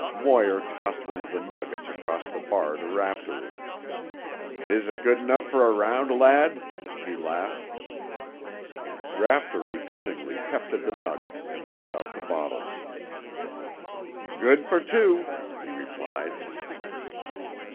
Moir tossed one of the nuggets across the bar to Raftery. "Is't good for a round, lad?" he laughed. Raftery cunningly hefted the nugget and set out the bottles. "Good for two," he replied.